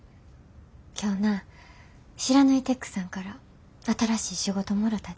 今日な不知火テックさんから新しい仕事もろたで。